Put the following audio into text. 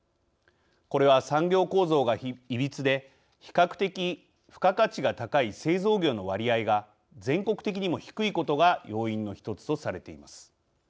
これは産業構造がいびつで比較的、付加価値が高い製造業の割合が全国的にも低いことが要因の１つとされています。